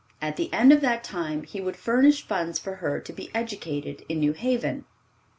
At the end of that time he would furnish funds for her to be educated in New Haven.